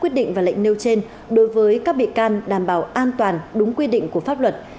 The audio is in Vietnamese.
quyết định và lệnh nêu trên đối với các bị can đảm bảo an toàn đúng quy định của pháp luật